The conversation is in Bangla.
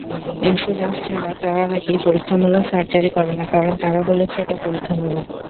ইন্স্যুরেন্স ছাড়া তারা নাকি পরীক্ষামূলক সার্জারি করে না, কারণ তারা বলেছে এটা পরীক্ষামূলক।